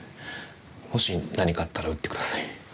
もし何かあったら打ってください。